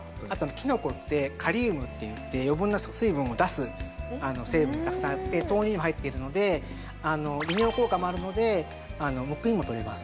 きのこってカリウムっていって余分な水分を出す成分たくさんあって豆乳にも入っているので利尿効果もあるのでむくみもとれます